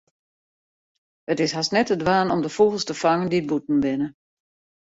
It is hast net te dwaan om de fûgels te fangen dy't bûten binne.